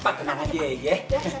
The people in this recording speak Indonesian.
pak tenang aja ya